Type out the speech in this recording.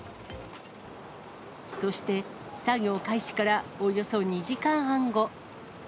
そして、作業開始からおよそ２時間半後。